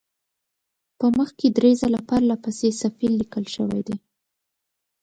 په مخ کې درې ځله پرله پسې صفیل لیکل شوی دی.